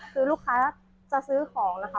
คือลูกค้าจะซื้อของนะคะ